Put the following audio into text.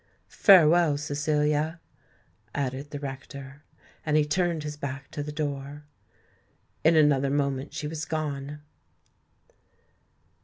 "Farewell, Cecilia," added the rector; and he turned his back to the door. In another moment she was gone.